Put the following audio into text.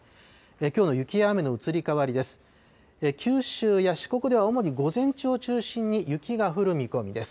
きょうの雪や雨の移り変わりです。